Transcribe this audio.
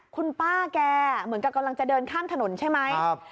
คุณป้าแกเหมือนกับกำลังจะเดินข้ามถนนใช่ไหม